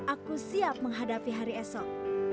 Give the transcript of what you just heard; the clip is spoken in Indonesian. aku siap menghadapi hari esok